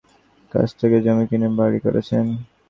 এখানে প্রায় সবাই আদি গ্রামবাসীর কাছ থেকে জমি কিনে বাড়ি করেছেন।